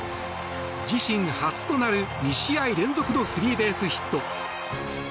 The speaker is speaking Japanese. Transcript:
自身初となる２試合連続のスリーベースヒット。